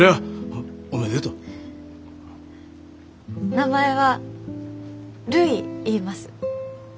名前はるいいいます。